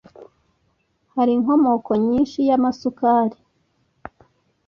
Hari inkomoko nyinshi y'amasu kari